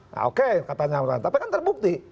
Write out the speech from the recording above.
nah oke katanya tapi kan terbukti